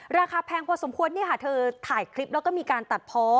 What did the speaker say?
ราคาแพงพอสมควรเนี่ยค่ะเธอถ่ายคลิปแล้วก็มีการตัดพอ